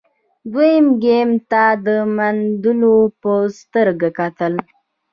دوی ګیوم ته د ملنډو په سترګه کتل.